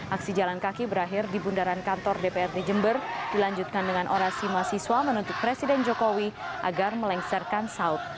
aksi jalan kaki berakhir di bundaran kantor dprd jember dilanjutkan dengan orasi mahasiswa menuntut presiden jokowi agar melengsarkan saud